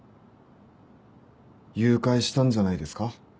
誘拐したんじゃないですか？